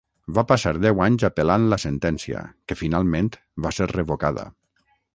Va passar deu anys apel·lant la sentència, que finalment va ser revocada.